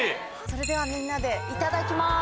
それではみんなでいただきます。